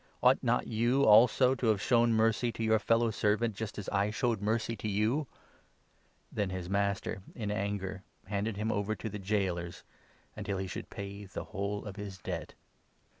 Ought 33 not you, also, to have shown mercy to your fellow servant, just as I showed mercy to you ?' Then his master, in anger, 34 handed him over to the gaolers, until he should pay the whole of his debt.